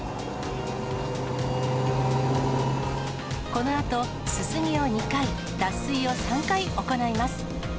このあと、すすぎを２回、脱水を３回行います。